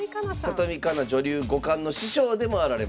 里見香奈女流五冠の師匠でもあられます。